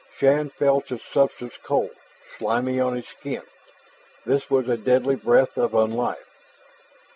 Shann felt its substance cold, slimy, on his skin. This was a deadly breath of un life.